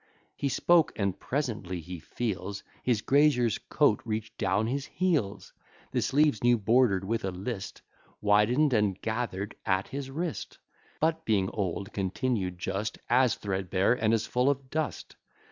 He spoke, and presently he feels His grazier's coat reach down his heels; The sleeves new border'd with a list, Widen'd and gather'd at his wrist, But, being old, continued just As threadbare, and as full of dust.